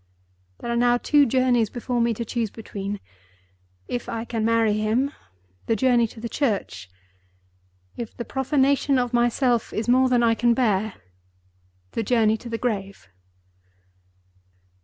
There are now two journeys before me to choose between. If I can marry him—the journey to the church. If the profanation of myself is more than I can bear—the journey to the grave!"